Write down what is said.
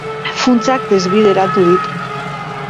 Funtsak desbideratu ditu.